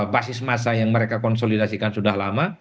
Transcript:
basis masa yang mereka konsolidasikan sudah lama